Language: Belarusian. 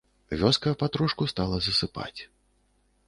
Вёска патрошку стала засыпаць...